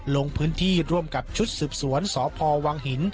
ลงพื้นที่ร่วมกับชุดสืบสวนสพวังหิน